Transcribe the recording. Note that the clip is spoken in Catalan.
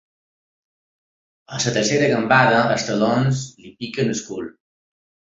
A la tercera gambada els talons li piquen al cul.